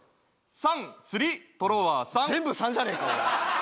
３・スリー・トロワ・３全部３じゃねえかよ